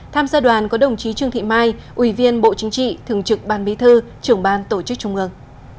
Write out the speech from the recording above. tham gia đoàn có đồng chí trương thị mai ủy viên bộ chính trị thường trực ban bí thư trưởng ban tổ chức trung ương